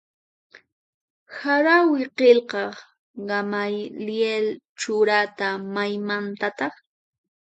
Harawi qillqaq Gamaliel Churata maymantataq?